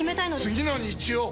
次の日曜！